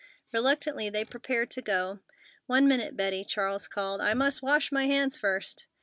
Reluctantly they prepared to go. "One minute, Betty!" Charles called. "I must wash my hands first!"